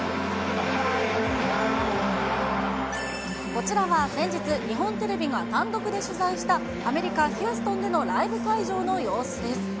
こちらは先日、日本テレビが単独で取材した、アメリカ・ヒューストンでのライブ会場の様子です。